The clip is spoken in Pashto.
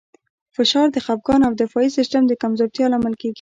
فشار د خپګان او د دفاعي سیستم د کمزورتیا لامل کېږي.